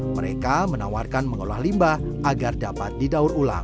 mereka menawarkan mengolah limbah agar dapat didaur ulang